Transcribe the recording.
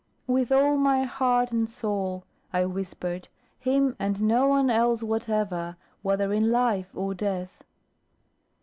"With all my heart and soul," I whispered, "him and no one else whatever, whether in life or death."